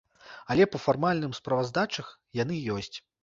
Але па фармальным справаздачах яны ёсць.